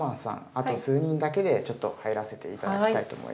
あと数人だけでちょっと入らせて頂きたいと思います。